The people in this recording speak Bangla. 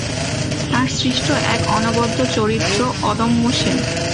তার সৃষ্ট এক অনবদ্য চরিত্র অদম্য সেন।